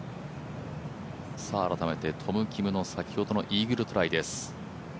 トム・キムの先ほどのイーグルトライです。